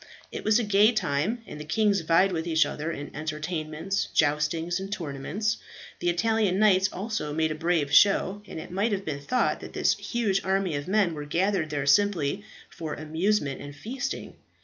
It was a gay time; and the kings vied with each other in entertainments, joustings, and tournaments. The Italian knights also made a brave show, and it might have been thought that this huge army of men were gathered there simply for amusement and feasting.